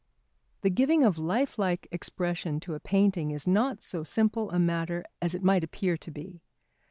The giving of lifelike expression to a painting is not so simple a matter as it might appear to be.